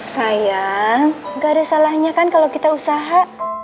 sayang gak ada salahnya kan kalau kita usaha